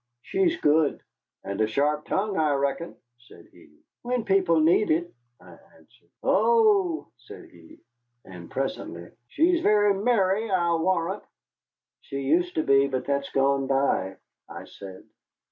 She's good." "And a sharp tongue, I reckon," said he. "When people need it," I answered. "Oh!" said he. And presently, "She's very merry, I'll warrant." "She used to be, but that's gone by," I said.